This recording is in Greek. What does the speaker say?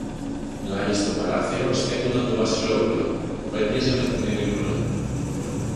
Πλάγι στο παράθυρο στέκουνταν το Βασιλόπουλο που κουβέντιαζε με την Ειρηνούλα